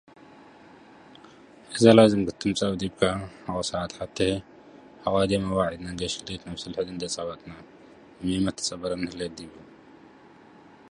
Elsewhere, rural electric cooperatives provide much of the power.